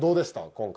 今回。